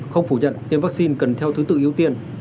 không phủ nhận tiêm vaccine cần theo thứ tự ưu tiên